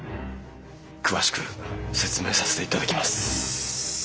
詳しく説明させていただきます。